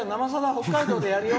北海道でやるよ。